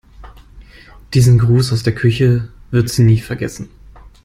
Diesen Gruß aus der Küche wird sie nicht vergessen.